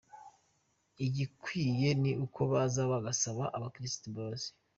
Igikwiriye ni uko baza bagasaba abakristo imbabazi.